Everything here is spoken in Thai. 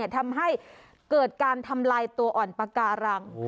ทำให้เกิดการทำลายตัวอ่อนปาการัง